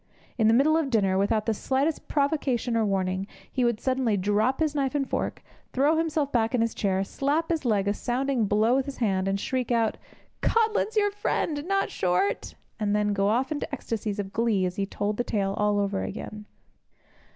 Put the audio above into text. In the middle of dinner, without the slightest provocation or warning, he would suddenly drop his knife and fork, throw himself back in his chair, slap his leg a sounding blow with his hand, and shriek out, 'Codlin's your friend, not Short,' and then go off into ecstasies of glee as he told the tale all over again.